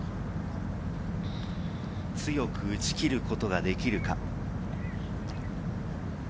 強く打ち切ることができるか。